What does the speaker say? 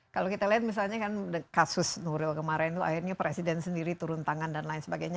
kalau kita lihat misalnya kan kasus nuril kemarin itu akhirnya presiden sendiri turun tangan dan lain sebagainya